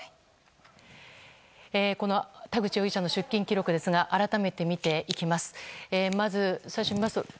この田口容疑者の出金記録ですが改めて見ていきます。